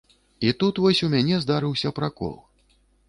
І тут вось у мяне здарыўся пракол.